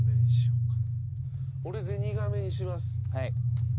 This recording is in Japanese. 俺ゼニガメにします。